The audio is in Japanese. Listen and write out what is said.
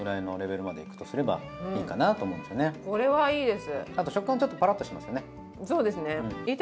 これはいいです。